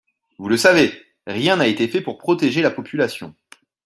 Vous le savez, rien n’a été fait pour protéger la population.